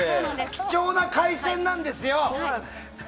貴重な回線なんですよ。